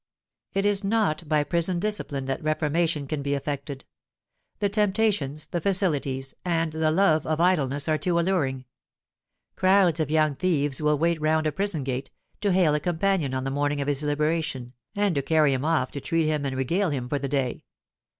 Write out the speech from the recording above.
It is not by prison discipline that reformation can be effected: the temptations, the facilities, and the love of idleness are too alluring. Crowds of young thieves will wait round a prison gate, to hail a companion on the morning of his liberation, and to carry him off to treat him and regale him for the day.